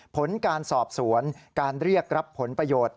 ผลการสอบสวนการเรียกรับผลประโยชน์